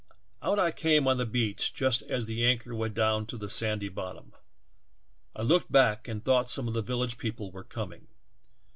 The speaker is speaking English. Out I came beach just as the anchor went down to the sandy bottom ; I looked back and thought some of the village people were coming.